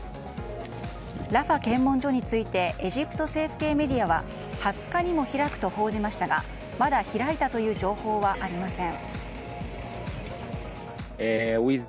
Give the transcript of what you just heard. ラファ検問所についてエジプト政府系メディアは２０日にも開くと報じましたがまだ開いたという情報はありません。